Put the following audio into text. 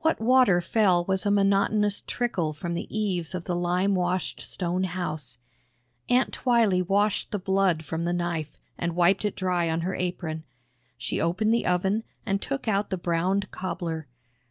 What water fell was a monotonous trickle from the eaves of the lime washed stone house. Aunt Twylee washed the blood from the knife and wiped it dry on her apron. She opened the oven and took out the browned cobbler.